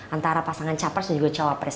antara pasangan capres dan juga cawapres